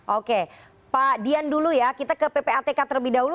oke pak dian dulu ya kita ke ppatk terlebih dahulu